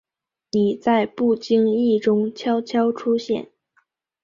你在不经意中悄悄出现